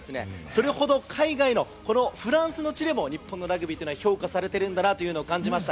それほど海外のフランスの地でも日本ラグビーというのは、評価されているんだなと感じました。